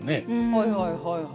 はいはいはいはい。